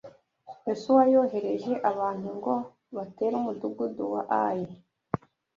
Yosuwa yohereje abantu ngo batere umudugudu wa Ayi